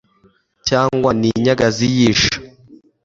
cyangwa n'inyagazi y'isha